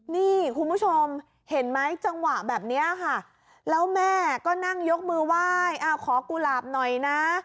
นี่คุณผู้ชมเห็นไหมจังหวะแบบนี้ค่ะแล้วแม่ก็นั่งยกมือไหว้ขอกุหลาบหน่อยนะ